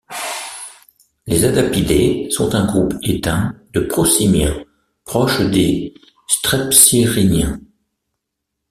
Les adapidés sont un groupe éteint de prosimiens, proches des strepsirrhiniens.